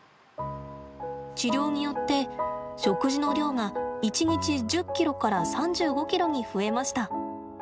治療によって、食事の量が一日１０ｋｇから３５ｋｇに増えました。